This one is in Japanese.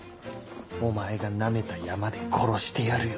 お前がナメた山で殺してやるよ